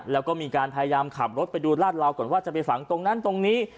แล้วก็มีการพยายามขับรถไปดูลาดราวก่อนว่าจะไปฝังตรงนั้นตรงนี้